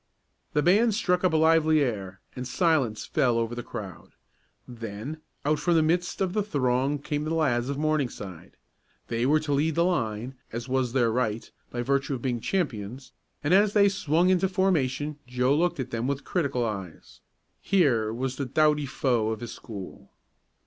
The band struck up a lively air and a silence fell over the crowd. Then, out from the midst of the throng came the lads of Morningside. They were to lead the line, as was their right, by virtue of being champions, and as they swung into formation Joe looked at them with critical eyes. Here was the doughty foe of his school.